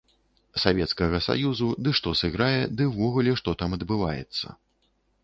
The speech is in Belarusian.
Савецкага саюзу ды што сыграе, ды ўвогуле, што там адбываецца.